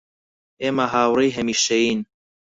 ئێمە هاوڕێی هەمیشەیین